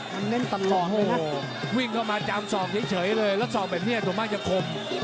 มันเน่นตัลเหรอโอ้โหวิ่งเข้ามาจามสอกเฉยเลยแล้วสอกแบบนี้ถูกง่ายมักจะคบ